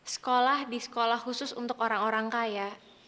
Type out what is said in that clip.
sekolah di sekolah khusus untuk orang orang kaya